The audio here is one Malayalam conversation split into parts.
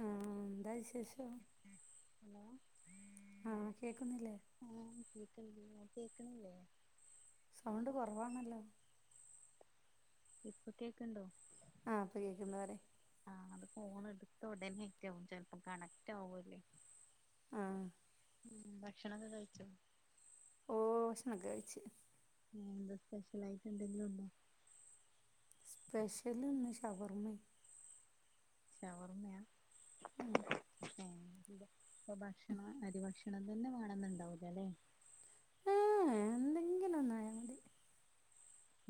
ആഹ എന്താ വിശേഷം ആഹ് കേക്കുന്നില്ലേ ആഹ കേക്ക കേക്കണില്ലേ സൗണ്ട് കുറവാണല്ലോ ഇപ്പൊ കേക്ക്ണ്ടോ ആഹ അപ്പൊ കേക്കുണ്ട് പറയും ആ അത് ഫോൺ എടുത്ത ഉടനെറ്റവും ചിലപ്പോം കണക്റ്റ് ആകല്ലേ ആഹ ഭക്ഷണം ക്കെകഴിച്ചോ? ഓ ഭക്ഷണമൊക്കെ കഴിച്ച് എന്താ സ്പെഷ്യൽ ആയിട്ട് എന്തെങ്കിലും ഉണ്ടോ സ്പെഷ്യൽ ഒന്ന് ഷവർമ്മ ഷവർമയാ ഉം ഇപ്പൊ ഭക്ഷണം അരി ഭക്ഷണം തന്നെ വേണ്ന്നുണ്ടാവൂലല്ലേ ഏഹ് എന്തെങ്കിലും ഒന്നായാ മതി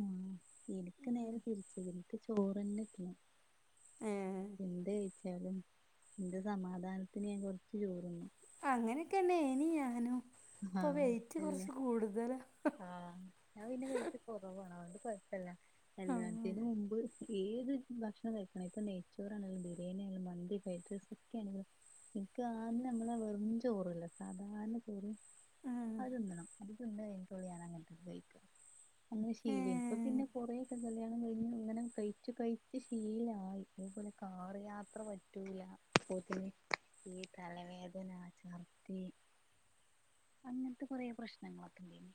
ഉ എനിക്ക് ഉം നേരെ തിരിച്ച എനിക്ക് ചോറ്ന്നെ കിട്ടണം ഏഹ് എന്ത് കഴിച്ചാലും എന്റെ സമാധാനത്തിന് ഞാൻ കുറച്ച് ചോറ്ന്നും അങ്ങനെയൊക്കെന്നെ നി ഞനും ആഹ ഇല്ല ആഹ ഞാൻ പിന്നെ കഴിച്ചൽകുറവ അത് കൊണ്ട് കുഴപ്പല്ല ആഹ് കല്യാണത്തിനു മുമ്പ് ഏത് ഭക്ഷണം കഴിക്കണങ്കിലും ഇപ്പ നെയ്ച്ചോറാണെങ്കാലും ബിരിയാണി ആണേലും മന്തി ഫ്രൈഡ് റൈസ് ഒക്കെ ആണെങ്കിലും ഇക്ക് ആ നമ്മളെ വെറും ചോറല്ലേ സാധാരണ ചോറ് ആഹ് അത് തിന്നണം അത് തിന്ന് കഴിഞ്ഞിട്ടുള്ളു ഞാൻ അങ്ങനെത്തതൊക്കെ കഴിക്ക അങ്ങനെ ശീലം ഇപ്പൊ ഏഹ് പിന്നെ കൊറെ ഒക്കെ കല്യാണം കഴിഞ്ഞ് ഇങ്ങനെ കഴിച്ചു കഴിച്ചു ശീലമായി അത് പോലെ കാർ യാത്ര പറ്റൂല അപ്പോത്തിന് ഈ തലവേദന ചർ ദി അങ്ങനത്തെ കൊറെ പ്രശ്നങ്ങളൊക്കെണ്ടയ്ന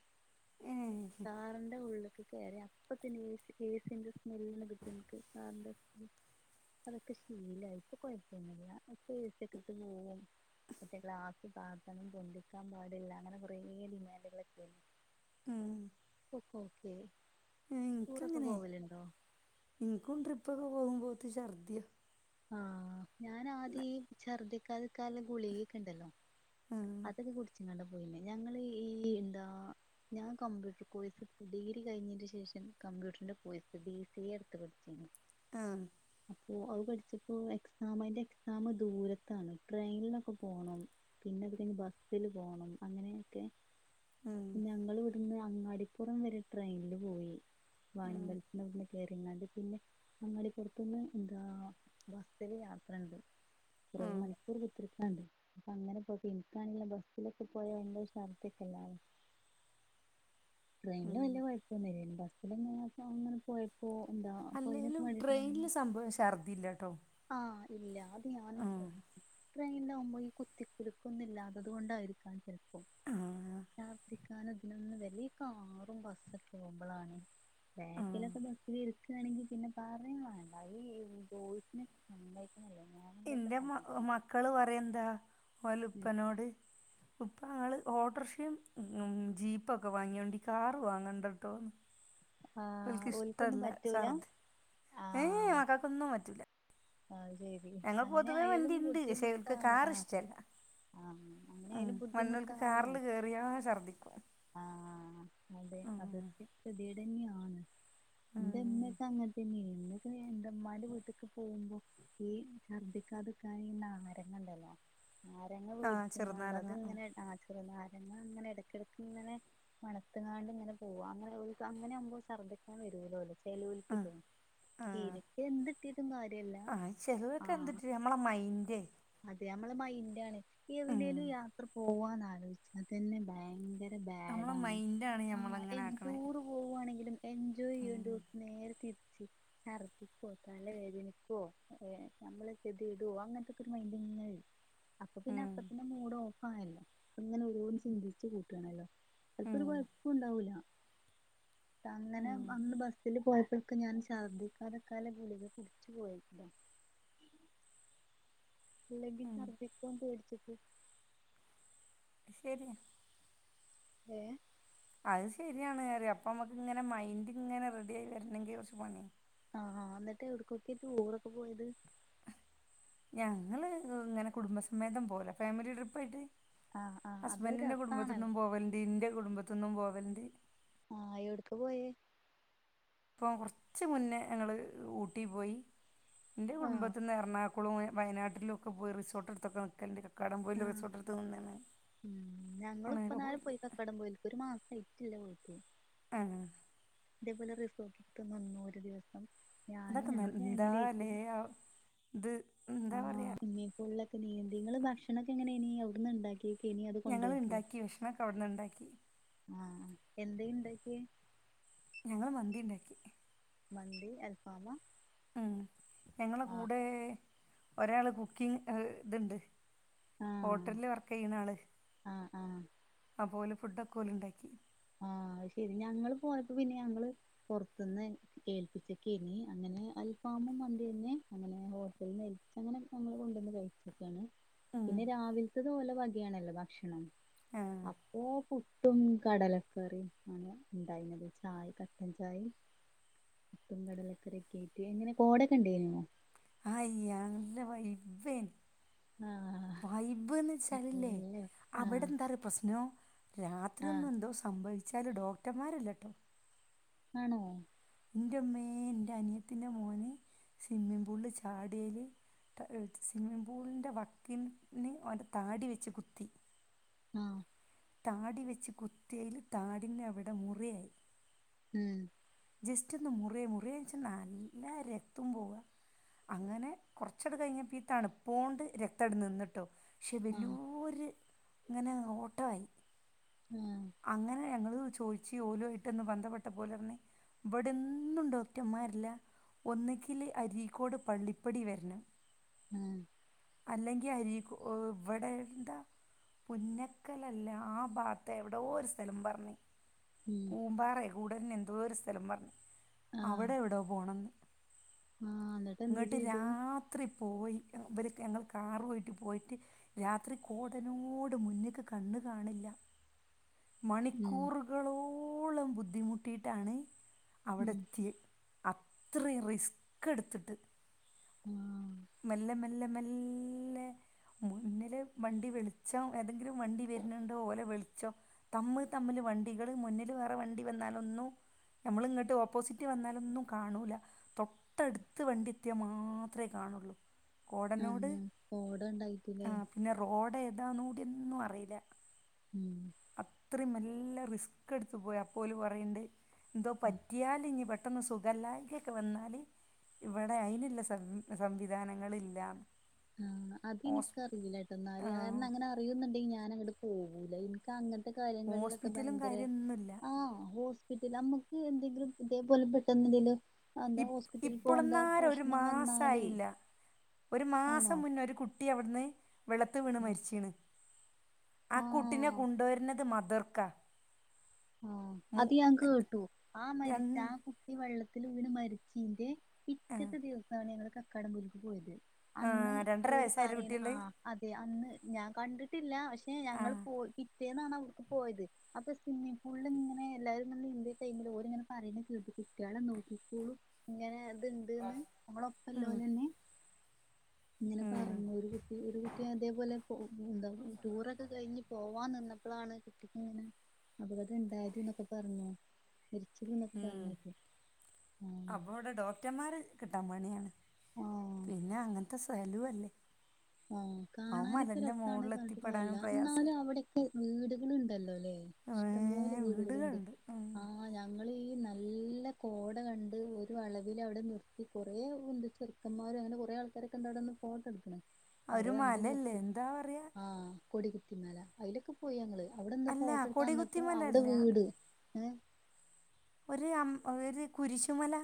ഏഹ് കാറിന്റെ ഉള്ളിൽ കയറിയ അപ്പന്നെ ഏസിന്റെ സ്മെല്ല്കിട്ടും ഇനിക്ക് കാറിന്റെ അതൊക്കെ ശീലായി ഇപ്പൊ കൊഴപ്പൊന്നില്ല എ സി ക്കെ ഇട്ട് പോകും മറ്റേ ഗ്ലാസ്‌ താത്തണം പൊന്തിക്കാൻ പാടില്ല അങ്ങനെ കുറേ ഡിമാൻഡുകളൊക്കെണ്ട് ഉം ഇപ്പോ ഓക്കെയായി ടൂറൊക്കെ ഇനക്ക്ങ്ങനെ പോവലുണ്ടോ ഇനിക്കും ട്രിപ്പൊക്കെ പോകുമ്പോത്തിന് ഛർദ്ദിയ ആഹ് ഞാനാദ്യം ഈ ഛർദിക്കാതക്കള്ള ഗുളികൊക്കെ ഇണ്ടല്ലോ ആഹ് അതൊക്കെ കുടിച്ച്കാണ്ട പോയിന്നേ ഞങ്ങള് ഈ എന്താ ഞാൻ കമ്പ്യൂട്ടർ കോഴ്സ് ഡിഗ്രി കഴിഞ്ഞതിന്റെ ശേഷം കമ്പ്യൂട്ടറിന്റെ കോഴ്സ് ഡി സി എ എടുത്ത് പഠിച്ചിനി ആഹ അ അത് പഠിച്ചപ്പോ എക്സാം അതിന്റെ എക്സാം ദൂരത്താണ് ട്രെയിനിനൊക്കെ പോണം പിന്നെ ബസ്സിൽ പോണം, അങ്ങനെയൊക്കെ ഉം ഞങ്ങൾ ഇവിടുന്ന് അങ്ങാടിപ്പുറം വരെ ട്രെയിനിൽ പോയി ഉം വാണിമ്പലത്തന്ന് പിന്നെ കറിങ്ങാണ്ട് പിന്നെ അങ്ങാടി പുറത്തുന്ന് എന്താ ബസ്സിൽ യാത്ര ഉണ്ട് കുറെേ ഉം മണിക്കൂർ കുത്തിരിക്കാണ്ട് അപ്പൊ അങ്ങനെ പോ ഇൻക്കാണങ്കിലോ ബസ്സിലൊക്കെ പോയ എന്തൊ ശർദ്ധിക്കല ട്രെയിനില് ഉം വലിയ കുഴപ്പൊന്നുല്ലെനി ബസ്സിൽ അങ്ങനെ [unintelligible] പോയപ്പോ പോ എന്താ അല്ലേലും ട്രെയിനില് [unintelligible] സംഭവം ഛർദില്ലട്ടോ ആ ഇല്ലാ അതു ഞാൻ ആഹ് ട്രെയിനിലാകുമ്പോ ഈ കുത്തികുലുക്കോന്നും ഇല്ലാത്തത് കൊണ്ടായിരിക്കാം ചിലപ്പോ ആഹ് ഛർദിക്കാനോ ഇതിനൊന്നും വരില്ല [inaudible] കാറും ബസ് ഒക്കെ പോവുമ്പഴാണ് ആഹ് ബാക്കിലൊക്കെ ബസ്സില് ണെങ്കിൽ പിന്നെ പറിംവേണ്ട ഈ ബോയ്സിനെക്കെ സമ്മ എന്റെ മക്കള് പറയും എന്താ ഓലുപ്പനോട് ഉപ്പാ ആള് ഓട്ടോറിക്ഷയും ഉ ജീപ്പൊക്കെ വാങ്ങിയ വേണ്ടി കാറ് വാങ്ങണ്ട കേട്ടോ ആഹ് ഓൽക്ക് ഓൽക്കൊന്നും ഇഷ്ടല്ല പറ്റൂല ഛർദി ഏ എ മക്കൾക്കൊന്നും പറ്റൂല ആഹ ശരി, ഞങ്ങൾക്ക് അങ്ങനെ പൊതുവേ ആയാലും വണ്ടിണ്ട് പക്ഷെ ഓൽക്ക് ബുദ്ധിമുട്ടാണ് കാറ് ആഹ് ഇഷ്ടല്ല ആഹ ഉം അങ്ങനൊയാലും മണ്ണോൽക്ക് ബുദ്ധിമുട്ടാണ്. കാറില് കേറിയാ ഛർദിക്കും ആഹ അതെ ഉം അതൊക്കെ കെതിയേഡ് തന്നെയാണ്. എന്റെ ഉം ഇമ്മൊക്കെ അങ്ങനത്തന്നെയിനി എന്റെമ്മന്റെ വീട്ടക്ക് പോകുമ്പോ ഈ ദിക്കാതിക്കാന് ഈ നാരങ്ങണ്ടല്ലോ നാരങ്ങ ആഹ് വേടിച്ചിങ്ങാണ്ട് അത് ചെറുനാരങ്ങ ഉം ഇങ്ങനെ ആ ചെറുനാരങ്ങ അങ്ങനെ ഇടക്കടുക്ക് ഇങ്ങനെ മണത്ത്ങ്ങാണ്ട് ഇങ്ങനെ പോവാ, അങ്ങനെ അങ്ങനെ ആവുമ്പോൾ ശർദ്ദിക്കാൻ വരൂലോലൊ ആഹ് ചേലോൽക്ട്ടോ ആഹ് ഇനക്ക് എന്ത് കട്ടീട്ടും കാര്യല്ല ചെലോൽക് എന്ത് കിട്ടി ഞമ്മള മ അതെ നമ്മളെ മൈന്റാണ്. ഉം എവിടേലും യാത്ര പോവാൻ ആലോചിച്ചാൽതന്നെ ഭയങ്കര ബാഡ് നമ്മളെ ആണ് മൈൻഡാണ് ആ ഞമ്മളങ്ങനെ ആക്കണേ ടൂറ് പോകുവാണെങ്കിലും എൻജോയ് ഉം ചെയ്യണ്ടോട്ത് നേര തിരി ഛർദിക്കോ തല വേദനിക്കോ ഏ നമ്മളക്കെതിയെടോ അങ്ങനത്തൊക്കെ ഒരു മൈൻഡ അപ്പൊ പിന്നെ ഉം അപ്പതന്നെ മൂഡ് ഓഫ് ആയല്ലോ ഇങ്ങനെ ഒരോന്ന് ചിന്തിച്ച്കൂട്ടണല്ലോ ചെലപ്പോരു ഉം കുഴപ്പവും ഉണ്ടാവൂല. അങ്ങനെ ഉം അന്ന് ബസ്സിൽ പോയപ്പൊ ഇൾക്ക് ഞാൻ ശർദ്ധിക്കാതിരിക്കാനുള്ള ഗുളിക കുടിച്ചു പോയി അല്ലെങ്കിൽ ഉം ശർദിക്കാൻ പേടിച്ചിട്ട് ശരിയാ ഏ അത് ശരിയാണ് കാര്യം അപ്പമ്മക്കിങ്ങനെ മൈന്റിങ്ങനെ റെഡി ആയി വരണെങ്കിൽ കുറച്ച് പണിയ ആ എന്നിട്ടെവിടക്കൊക്കെയാ ടൂറൊക്കെ പോയത്? ഞങ്ങള് ഇങ്ങനെ കുടുംബസമേതം പോകല ഫാമിലി ട്രിപ്പായിട്ട് ആഹ് ആഹ് അത് ഹസ്ബന്റിന്റെ കുടുംബത്തിന്നും രസാണല്ലോ പോവലണ്ടിന്റെ കുടുംബത്തിന്നും പോവലിണ്ട് ആഹ എവിടുക്ക പോയേ? ഇപ്പ കുറച്ച് മുന്നേ ഞങ്ങള് ഊട്ടി പോയി എന്റെ ആഹ് കുടുംബത്തിന്ന് പറഞ്ഞ കുളവും വയനാട്ടിലൊക്കെ പോയി റിസോർട്ടെടുത്തൊക്ക നിൽക്കലുണ്ട് കക്കാടം ആ പൊയില് റിസോർട്ട് എടുത്ത് നിന്നാണ് ഉം ഞങ്ങൾ ഇപ്പ അങ്ങനെയൊക്കെ നാല് പോകലുണ്ട് പോയി കക്കടംപോയിക്ക് ഒരു മാസയി ഇല്ല ഓക്കെ ആ അത്പോലെ റിസോർട്ടിക്കും വന്നു ഒരു ദിവസം ഞാനും അതൊക്കെ ഞങ്ങള ഫാമിലി ആയിട്ട് എന്താല്ലേ ഇത് ആ എന്താ പറയാ ഇനിയിപ്പോള്ള നീന്തേ നിങ്ങള് ഭക്ഷണൊക്കെ എങ്ങനെ, ഇനി അവിടന്ന് ഉണ്ടാക്കിയക്ക ഇനി അത് ഞങ്ങൾ കൊണ്ട്പോയ്ക്ക ഉണ്ടാക്കി ഭക്ഷണമൊക്കെ അവിടുന്ന് ഉണ്ടാക്കി ആ എന്തെ ഇണ്ടാക്യെ ഞങ്ങള് മന്തി ഇണ്ടാക്കി മന്തി അൽഫാമാ? ഉം. ഞങ്ങളെ കൂടെ ഒരാള് കുക്കിങ് അ ഇതുണ്ട് ആഹ് ഹോട്ടലില് വർക്ക് ചെയ്യണ ആള് ആഹ് ആഹ് അപോലെ ഫുഡ് ഒലുണ്ടാക്കി ആ ശെരി ഞങ്ങള് പോയപ്പോ പിന്നെ ഞങ്ങള് പുറത്തുന്ന് ഏൽപ്പിച്ചക്കെനി അങ്ങനെ അങ്ങനെ അൽഫാമും മന്തി തന്നെ അങ്ങനെ ഹോട്ടലിൽ നിന്ന്ലച്ച് അങ്ങനെക്കെ നമ്മൾ കൊണ്ടുവന്ന് കഴിച്ചക്കെണ് ഉം. പിന്നെ രാവിലത്തതോല വകയാണല്ലോ ഭക്ഷണം ആ അപ്പോ പുട്ടും കടലൊക് കറി ആണ് ഉണ്ടായിര്ന്നത് ചായ കട്ടൻ ചായെം. പുട്ടും കടലക്കറീക്കെയായിട്ട്. എങ്ങനെ കോടക്കെ ഉണ്ടേയിനോ? അയ്യല്ല വൈബേന്. ആഹ് വൈബ്ന്ന് വച്ചാലില്ലേ നല്ല ആഹ് അവിടെന്താറയൊ പ്രശ്നം? രാത്രിയൊന്നും ആഹ് എന്തോ സംഭവിച്ചാല് ഡോക്ടർമാരല്ലട്ടോ ആണോ? ൻ്റമ്മേ ൻ്റെ അനിയത്തിൻ്റെ മോന് സ്വിമ്മിങ് പൂളിൽ ചാടിയല് സ്വിമ്മിംഗ പൂളിന്റെ വക്കിന് ഓന്റെ താടി വെച്ച് കുത്തി ആഹ് താടി വെച്ച് കുത്തിയല് താടിന്റവിടെ മുറിയായി ഉം ജസ്റ്റ് ഒന്ന് മുറേ മുറേന്ന്വെച്ചാൽ നല്ല രക്തം പോവുക അങ്ങനെ കുറച്ചട കഴിഞ്ഞപ്പീ തണുപ്പോണ്ട് രക്തം അടെ നിന്നിട്ടോ പക്ഷെ ആഹ് വല്ല്യോരു ഇങ്ങനെ ഓട്ടായി ആഹ് അങ്ങനെ ഞങ്ങള് ചോദിച്ചു ഓലുവായിട്ടൊന്നു ബന്ധപ്പെട്ടപ്പോ ഓലുപറന്നെ ഇവിടെന്നും ഡോക്ടമാരില്ല ഒന്നക്കിലെ അരീക്കോട് പള്ളിപ്പടി വരന്ന് ഉം അല്ലെങ്കിൽ അരി വ്ടെ ന്ത പുന്നക്കലല്ല ആ ഭാത്തെവിടോ ഒരു സ്ഥലം പറഞ്ഞി ഉം കൂമ്പാറയൊ കൂടൽനൊ എന്തോ ഒരു സ്ഥലം പറഞ്ഞു ആഹ് അവിടെ എവിടോ പോണന്ന് ആഹ് എന്നിട്ട് എന്താ ഇങ്ങോട്ട് ചെയ്ത് രാത്രി പോയി അവര് ഞങ്ങൾ കാറുവായിട്ട് പോയിട്ട് രാത്രി കോടനോട് മുന്നേക്ക് കണ്ണു കാണില്ല [inaudible] ഉം മണിക്കൂറുകളോളം ബുദ്ധിമുട്ടിയിട്ടാണ് അവിടെ ഉം എത്തിയത് അത്രയും റിസ്ക് എടുത്തിട്ട് ആഹ് മെല്ലെ മെല്ലെ മെല്ലെ മുന്നില് വണ്ടി വിളിച്ച ഏതെ ഒരിക്കലും വണ്ടി വരുന്നുണ്ട് ലെളക്ക് തമ്മ് തമ്മില് വണ്ടികള് മുന്നില് വേറെ വണ്ടി വന്നാല ഒന്നു ഞമ്മൾ ഇങ്ങോട്ട് ഓപ്പോസിറ്റ് വന്നാലൊന്നും കാണൂല തൊട്ട എടുത്ത് വണ്ടി എത്തിയാ മാത്രേ കാണുള്ളൂ കോടനോട് അങ്ങനെ കോട ആ ഉണ്ടായിട്ടില്ലേ പിന്നെ റോഡ എതാന്ന കൂടിയന്നും അറിയില്ല ഉം ഇത്രയും നല്ല റിസ്ക് എടുത്ത് പോയി അപ്പോലും പറയണ്ട് എന്തോ ഉം പറ്റിയാല ഇനി പ പെട്ടെന്ന് സുഖല്ലായകൊക്കെ വന്നാൽ ഇവിടെ അതിനതിനുള്ള സം സംവിധാനങ്ങളില്ലാണ് ആഹ് അത് എനിക്കറിയില്ലട്ടോന്നാ കാരണം അങ്ങനെ അറിയുന്നുണ്ടെങ്ക ഞൻ പോല എനിക്ക് അങ്ങനത്തെ കാര്യങ്ങളിലൊക്കെ ഹോസ്പിറ്റലും ഭയങ്കര കാര്യമൊന്നുമില്ല ആ ഹോസ്പിറ്റൽക്ക് എന്തെങ്കിലും ഇതേപോലെ പെട്ടെന്നുണ്ടിലോ ഇ ഇപ്പോളന്നരും ഒരു വന്നാലേ മാസയില്ല ഒരു മാസ ആണോ മുന്നേ ഒരു കുട്ടി അവിടുന്ന് വെള്ളത്ത് വീണ് മരിച്ചീണ് ആ കുട്ടിനെ ആഹ് കൊണ്ടുവരുന്നത് മതിര്ക്ക ആ അത് ഞാൻ കേട്ടു ആ രൺ മരിച്ച ആ കുട്ട വെള്ളത്തി ഇന മരിച്ചീന്റെ പിറ്റത്തെ ദിവസമാണ് ഞങ്ങൾ കക്കാടമ്പൂഴീക്ക് പോയത് ആ അന്ന് രണ്ടര ഓര് വയസ്സായ ഒരു പറയണ കുട്ടിയുള്ളത് ആഹ് അതെ അന്ന് ഞാൻ കണ്ടിട്ടില്ല പക്ഷെ ആ ഞങ്ങൾ പോ കപിട്ടേന്നാണ് അവർക്ക് പോയത് അപ്പൊ സിി സ്ൽ ഇങ്ങനെ എല്ലാവാരും നമ്മ ഇന്ത്യ ടൈമിൽ ഓ ഇങ്ങനെ പറയുന്നീ കുട്ടികളെ നോക്കിക്കോളും ഇങ്ങനെ ണ്ട്ന്ന് നമ്മളൊപ്പ എല്ലാം തന്നെ ഇങ്ങനെ പറഞ്ഞു ഒരു കുട്ടി ഒരു കുട്ടി അതേപോലെ എന്താ ടൂറൊക്കെ കഴിഞ്ഞ് പോവാ നിന്നപ്പോളാണ് കിട്ടിക്കങ്ങനെ അപ്പ ഇവിടെന്തായത്ന്നൊക്കെ പറഞ്ഞോ തിരിച്ചത് എന്നൊക്കെ ഉം പറഞ്ഞേട്ടോ ആ അപ്പൊ ഇവിടെ ഡോക്ടർമാരെ കിട്ടാൻ പണിയാണ് ആ ആ കാണാനൊക്കെ മലന്റെ രസമാണ് മുകളിൽ എത്തിപ്പെടാനും പറഞ്ഞിട്ട്കാരല്ല എന്നാലും പ്രയാസല്ലേ അവിടെക്കെ വീടുകള് ഉണ്ടല്ലോ ഹെ ഇഷ്ടംപോലെ ഏഹ് വീടുകളുണ്ട് ഉം ആ ഞങ്ങള്നല്ല പിന്നെ കോട കണ്ട് ഒരു വളവിടെ നിർത്തി കുറേ ഒരു കുണ്ടം എ ചെറുക്കന്മാരും അങ്ങനെ കുറേ ആൾക്കാരൊക്കെ ഉണ്ട്അവിടെ ഫോട്ടോ എടുക്ക്ന് അവിടെ ഒരു വണ്ടി മലല്ലേ എന്താ പറയാ ആ കോടി ഇന്നലെ അയിലൊക്കെ പോയി ഞങ്ങൾ അവിടെന്ന് അല്ല ഫോട്ടോ എടുക്കാൻ വന്നപ്പോ കൊടികുത്തിമല അവിടെ അല്ല വീട് ഹെ ഒരു അം ഒരു കുരിശുമല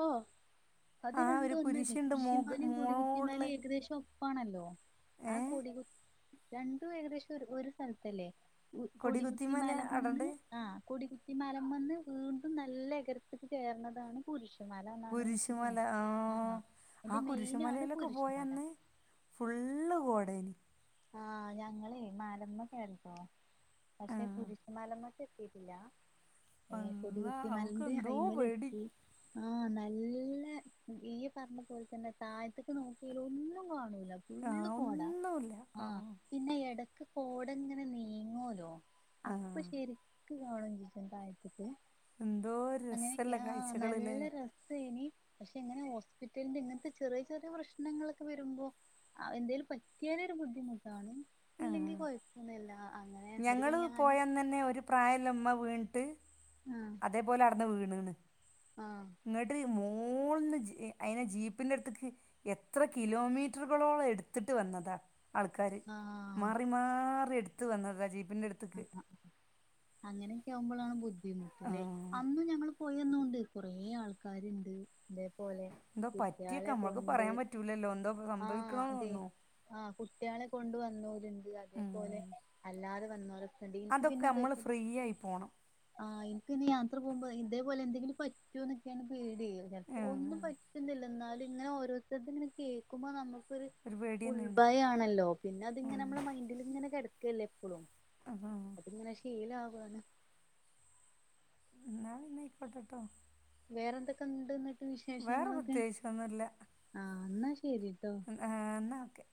ഓ അത് ആ ഒരു രണ്ടും ഒന്നല്ലേ കുരിശുണ്ട് മോക കുരിശുമലയും കൊടികുത്തിമലും മോളില് ഏകദേശം പ്പാണല്ലോ ആ ഏഹ് കൊടികുത്തിരണ്ടും ഏകദേശം ഒരു സ്ഥലത്തല്ലേ ഉ കൊടിക്കുടത്തി കൊടികുത്തിമല മല അടണ്ട് മന്ന് ആ കോടിക്കുട്ടി ഈ മലമാന്ന് വീണ്ടും നല്ല എകരത്തിക്ക് കേറുന്നതാണ് കു രുസ് കുരിശുമല ആഹ അ അയിന്റെ മെയിനാണ് കുരിശുമലയിലൊക്കെ കുരിശുമല പോയന്ന് ഫുള്ള് കോടേനി ആഹ് ഞങ്ങള് മാലമ്മെ കേറീട്ടേ പക്ഷേ ആഹ് കുരിശുമാല മക്ക് എത്തിട്ടില്ല ഏ അല്ല അവക്ക് കൊടികുത്തിമലന്റെ എന്തോ അയ്മല പേടി എത്തി ആ നല്ല നല്ല ഇയ്യ് പറഞ്ഞ പോലെ തന്നെ തായത്തക്ക് നോക്കിയാൽ ഒന്നും കാണൂല്ല എന്താ ആ ഫള്ള് കോടാ ഒന്നുമില്ല ആ ഇടക്ക് കോട ഇങ്ങനെ നീങ്ങോല്ലോ ആ അപ്പൊ ശരിക്കും കാണും [unintelligible] തായ്ത്ത്ക്ക് എന്തോ അങ്ങനൊക്കെ രസമുള്ള ആ കാഴ്ചകളില്ലേ നല്ല രസ നി പക്ഷെ ഇങ്ങനെ ഹോസ്പിറ്റലില് ഇങ്ങനത്തെ ചെറിയ ചെറിയ പ്രശ്നങ്ങളൊക്കെ വരുമ്പോ അ എന്തെലും പറ്റിയാലരു ബുദ്ധി ബുദ്ധിമുട്ടാണ്, ഇല്ലെങ്കിൽ കുഴപ്പൊന്നില്ല ഞങ്ങള് പോയാഅന്നന്നെ ഒരു പ്രായള്ളമ്മ വീണിട്ട് ആഹ് അതേപോലെ ആട്ന്ന് വീണ്, ണ് ആഹ് ഇങ്ങ്ട്ട് മു [inaudible] ന്ന് ജി അയിനെ ജീപ്പിന്റെ അടുത്തക്ക് എത്രെ കിലോമീറ്ററുകളോളം എടുത്തിട്ട് വന്നതാ ആൾക്കാര് മാറി മാറി എടുത്ത് വന്നതാ, ജി പിന്റെടുത്ത്ക്ക് അങ്ങനെക്കെ തെ ആവുമ്പോളാണ് ബുദ്ധിമുട്ടല്ലേ അന്നും ഞങ്ങൾ പോയന്നും ണ്ട് കുറെ ആൾക്കാര്ണ്ട് എന്താ പറ്റിയൊക്കെ നമ്മൾക്ക് പറയാൻ പറ്റൂലല്ലോ എന്തോ സംഭവിക്കണന്ന്നൊന്നും ആ കുട്ടികളെ കൊണ്ട് വന്നോരുണ്ട് അതേപോലെ ഉം. അല്ലാതെ യെടി ഇനിക്ക് അതൊക്കെ പിന്നെന്താ, നമ്മൾ ഫ്രീ ആയി പോണം ആ ഇന്ക് നി യാത്ര പോ വുമ്പോ ഇതേപോലെ എന്തെങ്കിലും പറ്റോ എന്നൊക്കെയാണ് പേടി, ഒന്നും പറ്റുന്നില്ല എന്നാലും ഇങ്ങനെ ഓരോ ഇതൊക്കെ ഇങ്ങനെ കേൾക്കുമ്പോ നമ്മ ക് ഒരു പേടി തന്നെയാണ് ഉൾഭയമാണല്ലോ, പിന്നെ അതിങ്ങനെ നമ്മളെ മൈൻഡിൽ ഇങ്ങനെ കിടക്കല്ലേ, എപ്പോഴും അതിങ്ങനെ, ശീലാവണ് എന്നാ പിന്നെ ആയ്കോട്ടെട്ടോ വേറെന്തൊക്കെ ഉണ്ട് എന്നിട്ട് വേറെ വിശേഷങ്ങളൊക്കെ പ്രത്യേകിച്ചൊന്നുമില്ല ആ എന്നാ ശരിട്ടോ എന്നാൽ ഓക്കെ